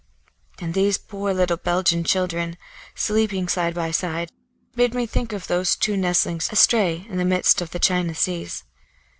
And these poor little Belgian children, sleeping side by side, made me think of those two nestlings, astray in the midst of the China Seas.